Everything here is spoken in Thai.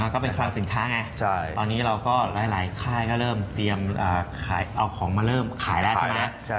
ก็เป็นคลังสินค้าไงตอนนี้เราก็หลายค่ายก็เริ่มเตรียมเอาของมาเริ่มขายแล้วใช่ไหม